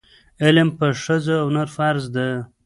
علم په ښځه او نر فرض ده.